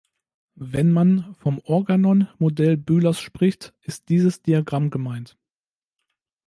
Wenn man vom Organon-Modell Bühlers spricht, ist dieses Diagramm gemeint.